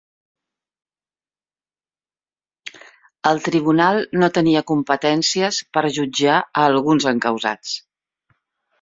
El tribunal no tenia competències per jutjar a alguns encausats